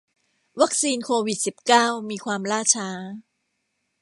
วัคซีนโควิดสิบเก้ามีความล่าช้า